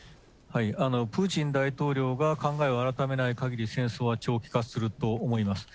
プーチン大統領が考えを改めないかぎり、戦争は長期化すると思います。